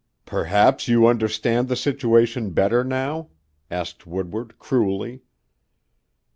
"Perhaps you understand the situation better now?" asked Woodward cruelly.